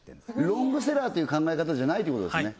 ロングセラーという考え方じゃないということですね